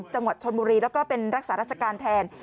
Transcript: จังหวัดชนบุรีแล้วก็เป็นรักษาราชการแทน